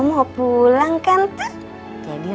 ya paling sekali